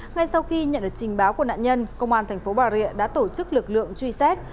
ngay sau khi nhận được trình báo của nạn nhân công an thành phố bà rịa đã tổ chức lực lượng truy xét